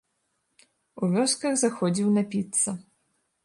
У вёсках заходзіў напіцца.